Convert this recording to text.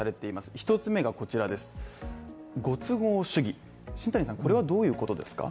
一つ目がご都合主義、新谷さんこれはどういうことですか。